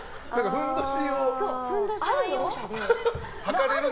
ふんどし